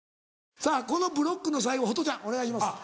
さぁこのブロックの最後ホトちゃんお願いします。